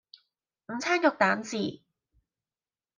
午餐肉蛋治